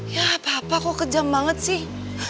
ya papa kok kejam banget sih